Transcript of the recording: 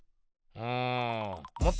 うん。